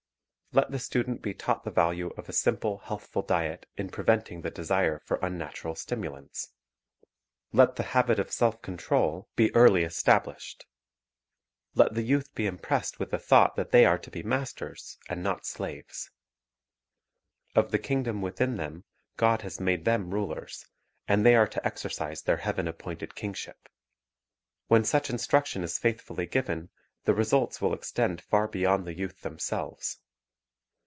Let the student be taught the value of a simple, healthful diet in preventing the desire for unnatural stimulants. Let the habit of self control be Causes of Intemperance Stimulating Diet Self Control the Safeguard 204 Physical Culture early established. Let the youth be impressed with the thought that they are to be masters, and not slaves. Of the kingdom within them God has made them rulers, and they are to exercise their Heaven appointed kingship. When such instruction is faithfully given, the results will extend far beyond the youth themselves.